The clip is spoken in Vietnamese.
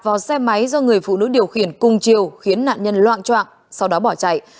vào xe máy do người phụ nữ điều khiển cùng chiều khiến nạn nhân loạn trọng sau đó bỏ chạy